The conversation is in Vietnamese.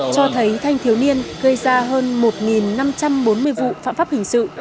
cho thấy thanh thiếu niên gây ra hơn một năm trăm bốn mươi vụ phạm pháp hình sự